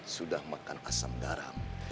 sudah makan asam garam